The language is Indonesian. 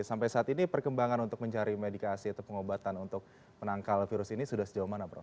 sampai saat ini perkembangan untuk mencari medikasi atau pengobatan untuk menangkal virus ini sudah sejauh mana prof